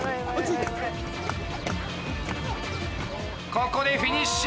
ここでフィニッシュ！